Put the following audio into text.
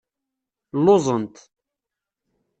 Lluẓent.